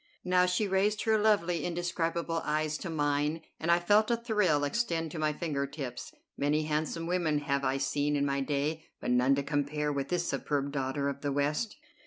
Now she raised her lovely, indescribable eyes to mine, and I felt a thrill extend to my finger tips. Many handsome women have I seen in my day, but none to compare with this superb daughter of the West.